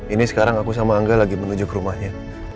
ini sekarang aku sama angga lagi menuju ke rumahnya